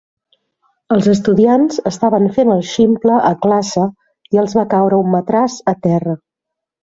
Els estudiants estaven fent el ximple a classe i els va caure un matràs a terra.